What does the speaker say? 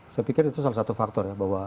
saya pikir itu salah satu faktor ya bahwa